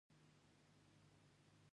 دا مسلک د ریاضي او طبیعت په پوهه ولاړ دی.